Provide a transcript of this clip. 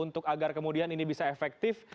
untuk agar kemudian ini bisa efektif